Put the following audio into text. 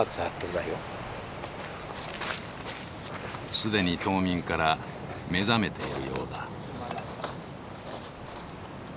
すでに冬眠から目覚めているようだ。